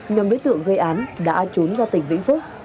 nhóm đối tượng gây án đã trốn ra tỉnh vĩnh phúc